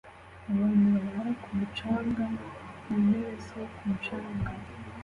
Abantu barara ku mucanga mu ntebe zo ku mucanga